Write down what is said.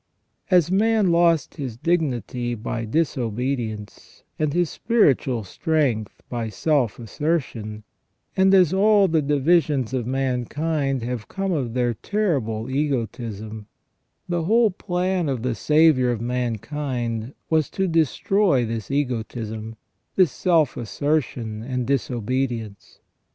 As man lost his dignity by disobedience, and his spiritual strength by self assertion, and as all the divisions of mankind have come of their terrible egotism ; the whole plan of the Saviour of mankind was to destroy this egotism, this self assertion and disobedience.